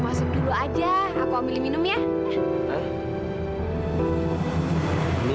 masuk dulu aja aku ambil minum ya